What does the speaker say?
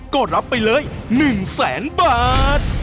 ก็รับไปเลย๑แสนบาท